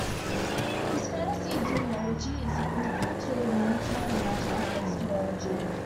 This fantasy duology is a prequel to the "Moontide and Magic Rise" duology.